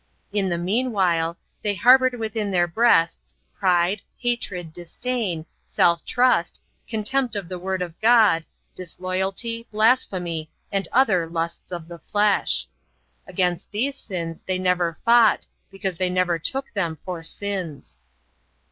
In the meanwhile they harbored within their breasts pride, hatred, disdain, self trust, contempt of the Word of God, disloyalty, blasphemy, and other lusts of the flesh. Against these sins they never fought because they never took them for sins.